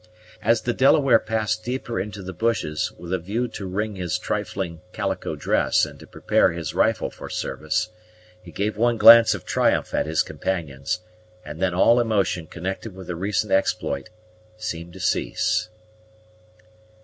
As the Delaware passed deeper into the bushes with a view to wring his trifling calico dress and to prepare his rifle for service, he gave one glance of triumph at his companions, and then all emotion connected with the recent exploit seemed to cease.